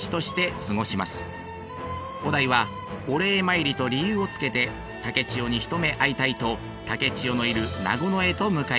於大はお礼参りと理由をつけて竹千代に一目会いたいと竹千代のいる那古野へと向かいます。